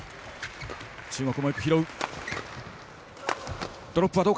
中国もよく拾う。